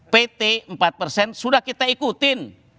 pt empat persen sudah kita ikutin